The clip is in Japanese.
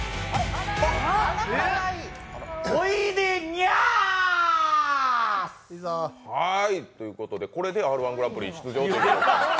おいでにゃーす！ということで、これで「Ｒ−１グランプリ」出場と。